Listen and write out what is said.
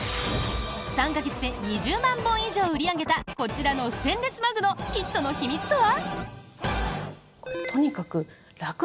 ３か月で２０万本以上売り上げたこちらのステンレスマグのヒットの秘密とは？